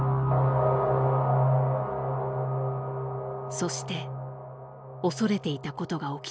そして恐れていたことが起きた。